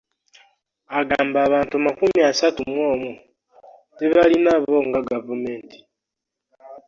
Agamba abantu makumi asatu mu omu tebalina bo nga gavumenti.